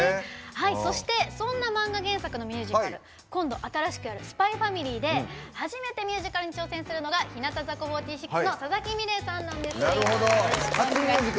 そして、そんな漫画原作のミュージカル今度新しくやる「ＳＰＹ×ＦＡＭＩＬＹ」で初めてミュージカルに挑戦するのが日向坂４６の佐々木美玲さんなんです。